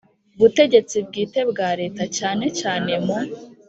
Butegetsi Bwite bwa Leta cyane cyane mu